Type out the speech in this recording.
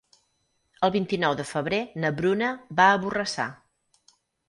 El vint-i-nou de febrer na Bruna va a Borrassà.